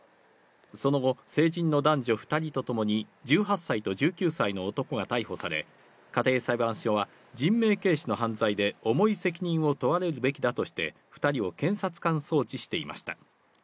その後、成人の男女２人と共に、１８歳と１９歳の男が逮捕され、家庭裁判所は人命軽視の犯罪で重い責任を問われるべきだとして、２人を検察官送致していました。